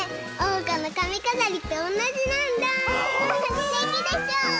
すてきでしょ？